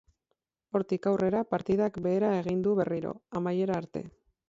Hortik aurrera, partidak behera egin du berriro, amaiera arte.